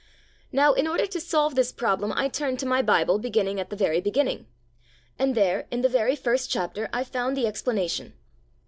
Now in order to solve this problem I turned to my Bible, beginning at the very beginning. And there, in the very first chapter, I found the explanation.